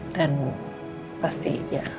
dan pasti ya